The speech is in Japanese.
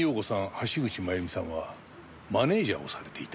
橋口まゆみさんはマネジャーをされていた。